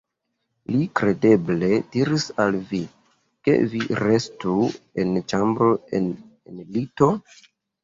Li kredeble diris al vi, ke vi restu en ĉambro en lito?